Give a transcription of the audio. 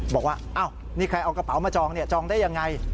บอกว่าอ้าวนี่ใครเอากระเป๋ามาจองจองได้ยังไง